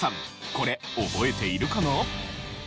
これ覚えているかな？